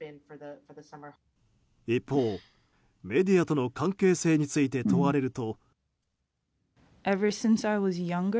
一方、メディアとの関係性について問われると。